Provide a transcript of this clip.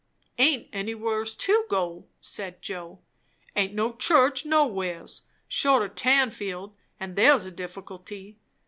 "Aint anywheres to go!" said Joe. "Aint no church nowheres, short o' Tanfield; and there's a difficulty.